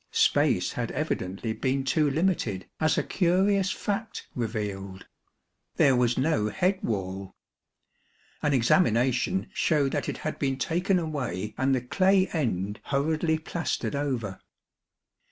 Space had evidently been too limited, as a curious fact revealed. There was no head wall, an examination showed that it had been taken away and the clay end hurriedly plastered over.